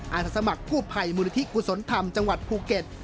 อาสาสมัครกู้ภัยมูลนิธิกุศลธรรมจังหวัดภูเก็ต